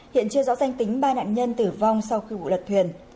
hiện chưa rõ danh tính ba nạn nhân tử vong sau khi vụ lật thuyền